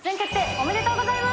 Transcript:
おめでとうございます。